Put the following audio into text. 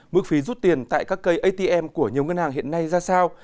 mức phí rút tiền tại các cây atm của nhiều ngân hàng hiện nay ra sao